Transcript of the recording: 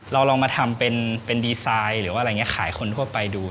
ลองมาทำเป็นดีไซน์หรือว่าอะไรอย่างนี้ขายคนทั่วไปดู